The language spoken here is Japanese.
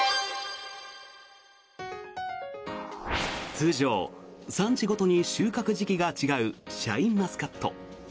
通常、産地ごとに収穫時期が違うシャインマスカット。